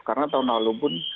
karena tahun lalu pun